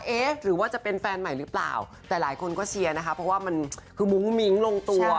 เอ๊ะหรือว่าจะเป็นแฟนใหม่หรือเปล่าแต่หลายคนก็เชียร์นะคะเพราะว่ามันคือมุ้งมิ้งลงตัว